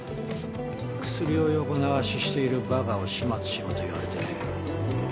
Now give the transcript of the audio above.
クスリを横流ししているバカを始末しろと言われてね。